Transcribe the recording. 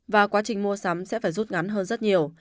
và quá trình mua sắm sẽ phải rút ngắn hơn rất nhiều